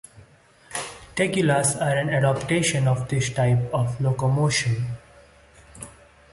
Tegulaes are an adaptation of this type of locomotion.